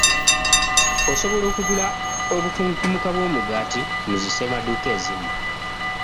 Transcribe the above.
Osobola okugula obukunkumuka bw'omugaati mu zi ssemadduuka ezimu.